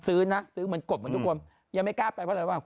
ซื้อนะซื้อเหมือนกบเหมือนทุกคนยังไม่กล้าไปเพราะอะไรวะ